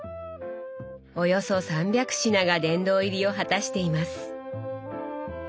およそ３００品が殿堂入りを果たしています。